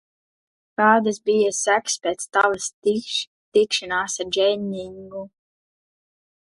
Kādas bija sekas pēc tavas tikšanās ar Dženingu?